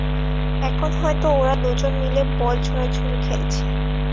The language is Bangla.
এখন হয়তো ওরা দুজনে মিলে বল ছোঁড়াছুঁড়ি খেলছে।